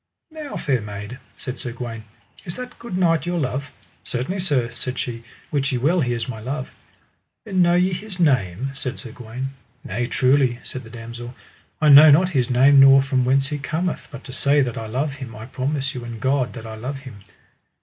Now, fair maid, said Sir Gawaine, is that good knight your love? Certainly sir, said she, wit ye well he is my love. Then know ye his name? said Sir Gawaine. Nay truly, said the damosel, I know not his name nor from whence he cometh, but to say that I love him, I promise you and God that I love him.